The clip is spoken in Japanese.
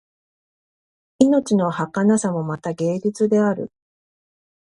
命のはかなさもまた芸術である